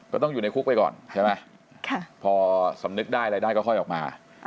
ต้องอยู่ในคุกไปก่อนใช่ไหมพอสำนึกได้อะไรได้ก็ค่อยออกมา